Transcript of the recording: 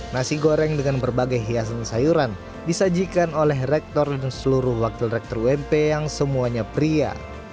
nasi goreng dengan berbagai hiasan sayuran disajikan oleh rektor dan seluruh wakil rektor ump yang semuanya pria